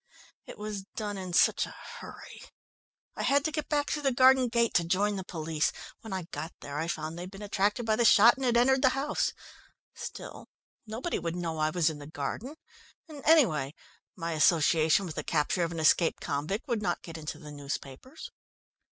"It was done in such a hurry I had to get back through the garden gate to join the police. When I got there, I found they'd been attracted by the shot and had entered the house. Still, nobody would know I was in the garden, and anyway my association with the capture of an escaped convict would not get into the newspapers."